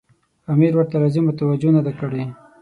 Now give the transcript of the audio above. امیر ورته لازمه توجه نه ده کړې.